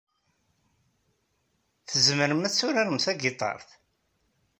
Tzemrem ad turarem tagitaṛt?